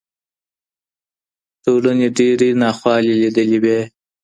ټولني ډیرې ناخوالې لیدلې وې.